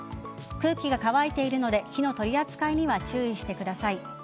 空気が乾いているので火の取り扱いには注意してください。